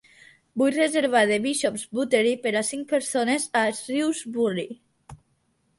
Vull reservar The Bishops Buttery per a cinc persones a Shrewsbury.